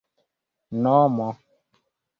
nomo